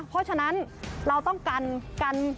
เพราะฉะนั้นเราต้องกัน